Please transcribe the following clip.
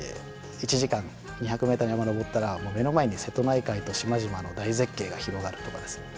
１時間２００ｍの山を登ったらもう目の前に瀬戸内海と島々の大絶景が広がるとかですね。